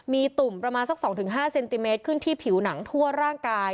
มีตุ่มประมาณสัก๒๕เซนติเมตรขึ้นที่ผิวหนังทั่วร่างกาย